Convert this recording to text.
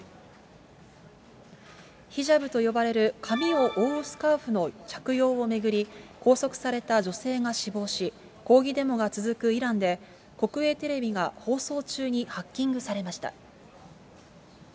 ヒジャブと呼ばれる髪を覆うスカーフの着用を巡り、拘束された女性が死亡し、抗議デモが続くイランで、国営テレビが放送中にハッキングされました。